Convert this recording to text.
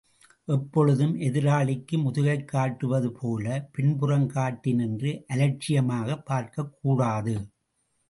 எப்பொழுதும் எதிராளிக்கு முதுகைக் காட்டுவது போல பின்புறம் காட்டி நின்று அலட்சியமாகப் பார்க்கக்கூடாது.